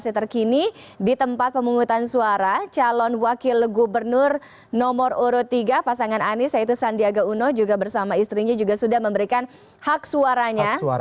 kondisi terkini di tempat pemungutan suara calon wakil gubernur nomor urut tiga pasangan anies yaitu sandiaga uno juga bersama istrinya juga sudah memberikan hak suaranya